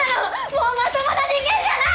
もうまともな人間じゃない！